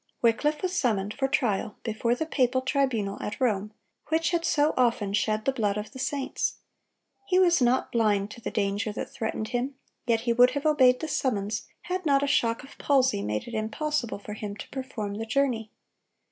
Wycliffe was summoned for trial before the papal tribunal at Rome, which had so often shed the blood of the saints. He was not blind to the danger that threatened him, yet he would have obeyed the summons had not a shock of palsy made it impossible for him to perform the journey.